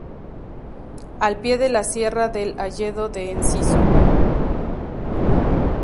Al pie de la Sierra del Hayedo de Enciso.